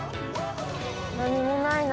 何もないな。